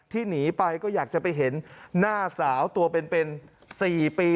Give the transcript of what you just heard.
หนีไปก็อยากจะไปเห็นหน้าสาวตัวเป็น๔ปี